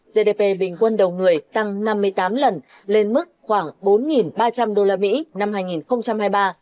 gdp bình quân đầu người tăng năm mươi tám lần lên mức khoảng bốn ba trăm linh usd năm hai nghìn hai mươi ba